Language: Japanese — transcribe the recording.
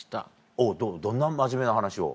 おぉどんな真面目な話を？